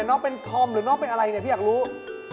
หนอทอมลองตีนี้ดังนะพี่เบิร์ด